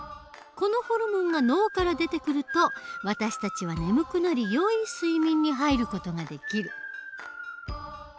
このホルモンが脳から出てくると私たちは眠くなりよい睡眠に入る事ができる。